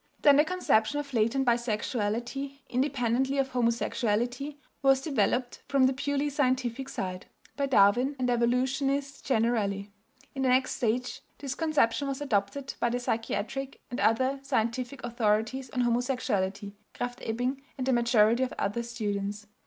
Then the conception of latent bisexuality, independently of homosexuality, was developed from the purely scientific side (by Darwin and evolutionists generally). In the next stage this conception was adopted by the psychiatric and other scientific authorities on homosexuality (Krafft Ebing and the majority of other students).